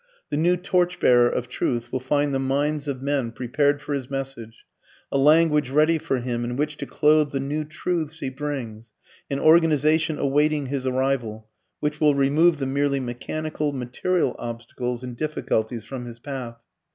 "The new torchbearer of truth will find the minds of men prepared for his message, a language ready for him in which to clothe the new truths he brings, an organization awaiting his arrival, which will remove the merely mechanical, material obstacles and difficulties from his path."